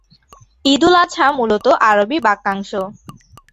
ঈদুল আযহা মূলত আরবি বাক্যাংশ।